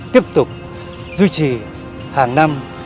tiếp tục duy trì hàng năm